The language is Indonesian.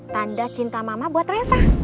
tanda cinta mama buat reva